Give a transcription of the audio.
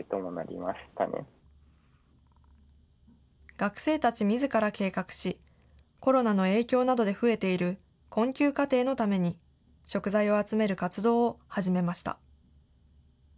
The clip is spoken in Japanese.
学生たちみずから計画し、コロナの影響などで増えている困窮家庭のために、食材を集める活動を始めました。